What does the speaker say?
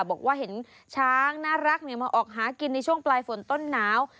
บอกว่าเห็นช้างน่ารักมาออกหากินในช่วงปลายฝนต้นหนาว